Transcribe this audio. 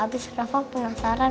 abis rafa penasaran